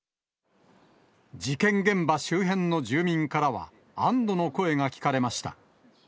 事件現場周辺の住民からは、安どの声が聞かれました。